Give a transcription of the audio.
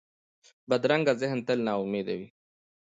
بدرنګه ذهن تل ناامیده وي